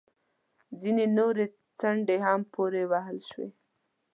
ځینې نورې څنډې ته پورې وهل شوې